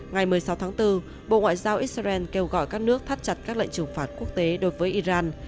ngày một mươi sáu tháng bốn bộ ngoại giao israel kêu gọi các nước thắt chặt các lệnh trừng phạt quốc tế đối với iran